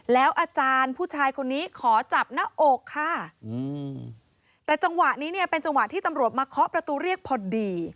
แล้วอาจารย์ผู้ชายคนนี้ขอจับหน้าอกค่ะแต่จังหวะนี้เป็นจังหวะที่นักศึกษาตำรวจมาค่อยเข้าประตูเรียกพอดี